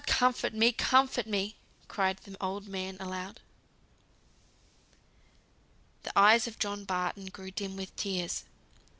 comfort me, comfort me!" cried the old man aloud. The eyes of John Barton grew dim with tears.